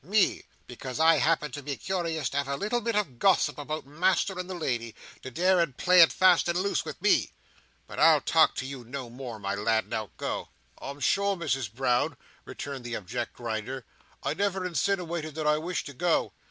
"Me! Because I happen to be curious to have a little bit of gossip about Master and the lady, to dare to play at fast and loose with me! But I'll talk to you no more, my lad. Now go!" "I'm sure, Misses Brown," returned the abject Grinder, "I never insiniwated that I wished to go.